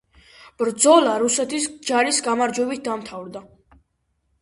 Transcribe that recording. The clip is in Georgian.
ბრძოლა რუსეთის ჯარის გამარჯვებით დამთავრდა.